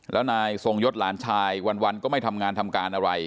แล้วนายทรงยศหลานชายวันก็ไม่ทำงานทำการอะไร